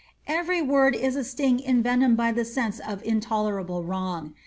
Every word is a sting envenomed by the sense of intolerable wrong.